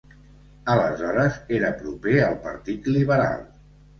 Aleshores era proper al Partit Liberal.